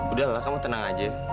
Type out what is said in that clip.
udah lah kamu tenang aja